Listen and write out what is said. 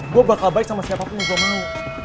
gue bakal baik sama siapapun gue mau